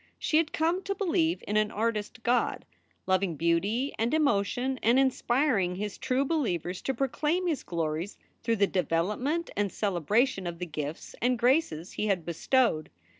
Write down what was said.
She had come to believe in an artist God, loving beauty and emotion and inspiring his true believers to proclaim his glories through the development and celebra tion of the gifts and graces he had bestowed.